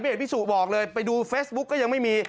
ไม่เห็นพี่สุบอกเลยไปดูเฟสบุ๊กก็ยังไม่มี